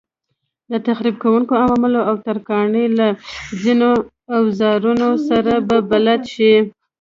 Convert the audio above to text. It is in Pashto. د تخریب کوونکو عواملو او ترکاڼۍ له ځینو اوزارونو سره به بلد شئ.